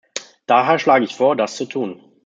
Daher schlage ich vor, das zu tun.